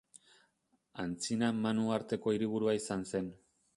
Antzina Man uharteko hiriburua izan zen.